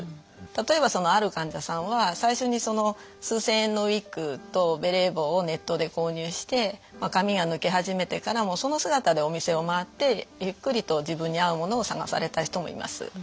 例えばそのある患者さんは最初にその数千円のウイッグとベレー帽をネットで購入して髪が抜け始めてからその姿でお店を回ってゆっくりと自分に合うものを探された人もいます。